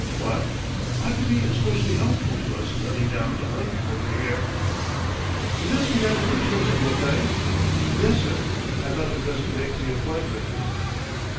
What? Ought to be especially helpful to us in hunting down the Hun over here." "Is this the man who returns at midnight?" "Yes, sir. I thought it best to make the appointment."